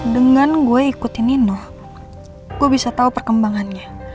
dengan gue ikutin nino gue bisa tau perkembangannya